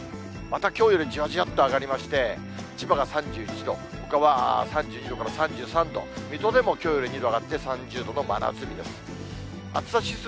また、きょうよりじわじわっと上がりまして、千葉が３１度、ほかは３２度から３３度、水戸でもきょうより２度上がって３０度の真夏日です。